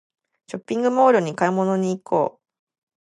ショッピングモールに買い物に行こう